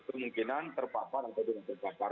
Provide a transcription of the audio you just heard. kemungkinan terpapar atau tidak terpapar